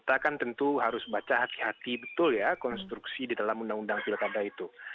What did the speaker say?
kita kan tentu harus baca hati hati betul ya konstruksi di dalam undang undang pilkada itu